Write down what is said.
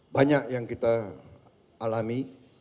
banyak yang kita alami